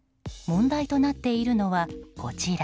問題となっているのは、こちら。